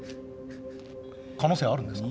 可能性はあるんですか？